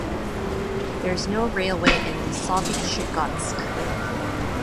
There is no railway in Solvychegodsk.